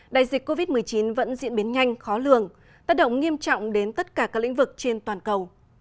đại dịch covid một mươi chín vẫn diễn biến nhanh khó lường tác động nghiêm trọng đến tất cả các lĩnh vực trên toàn cầu